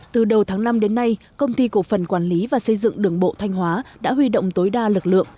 từ đầu tháng năm đến nay công ty cổ phần quản lý và xây dựng đường bộ thanh hóa đã huy động tối đa lực lượng